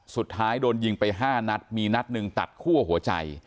สุดท้ายโดนยิงไป๕นัดมีนัดหนึ่งตัดคั่วหัวใจ